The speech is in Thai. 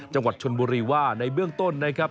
จังหวัดชนบุรีว่าในเบื้องต้นนะครับ